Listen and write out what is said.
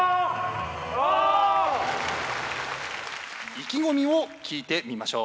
意気込みを聞いてみましょう。